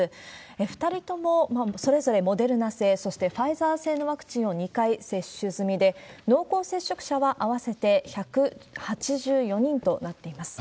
２人ともそれぞれモデルナ製、そしてファイザー製のワクチンを２回接種済みで、濃厚接触者は合わせて１８４人となっています。